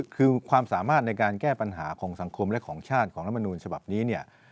คือความสามารถในการแก้ปัญหาของสังคมและของชาติของรัฐมนูลฉบับนี้เนี่ย